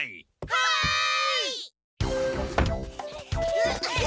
はい！